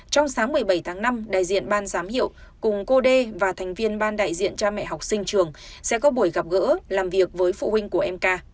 trong sáng một mươi bảy tháng năm đại diện ban giám hiệu cùng cô đê và thành viên ban đại diện cha mẹ học sinh trường sẽ có buổi gặp gỡ làm việc với phụ huynh của em ca